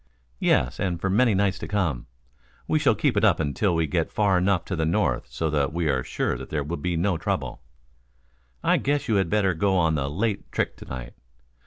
"Yes, and for many nights to come. We shall keep it up until we get far enough to the north so that we are sure there will be no trouble. I guess you had better go on the late trick to night.